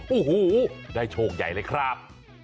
โอ้โหได้โชคใหญ่เลยครับ